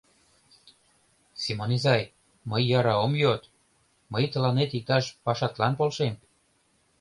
Семон изай, мый яра ом йод, мый тыланет иктаж пашатлан полшем.